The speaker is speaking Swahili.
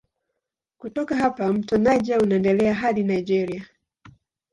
Kutoka hapa mto Niger unaendelea hadi Nigeria.